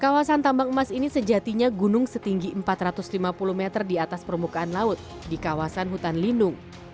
kawasan tambang emas ini sejatinya gunung setinggi empat ratus lima puluh meter di atas permukaan laut di kawasan hutan lindung